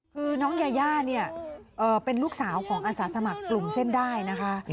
คือน้องยาย่าเนี่ยเป็นลูกสาวของอาสาสมัครกลุ่มเส้นได้นะคะ